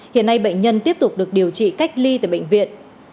hiện nay bệnh nhân tiếp tục được điều trị cách ly tại bệnh viện